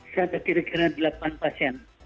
saya kira kira ada delapan pasien